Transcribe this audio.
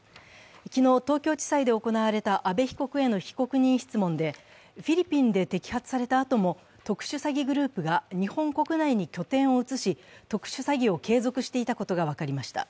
昨日、東京地裁で行われた阿部被告への被告人質問で、フィリピンンで摘発されたあとも特殊詐欺グループが日本国内に拠点を写し特殊詐欺を継続していたことが分かりました。